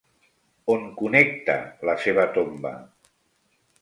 On connecta la seva tomba?